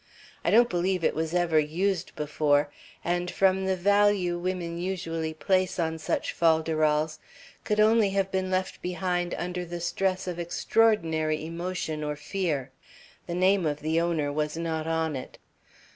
I don't believe it was ever used before, and from the value women usually place on such fol de rols, could only have been left behind under the stress of extraordinary emotion or fear. The name of the owner was not on it."